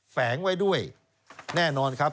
แฝงไว้ด้วยแน่นอนครับ